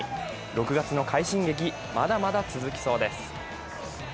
６月の快進撃、まだまだ続きそうです。